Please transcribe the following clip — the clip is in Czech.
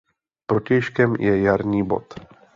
Protějškem je jarní bod.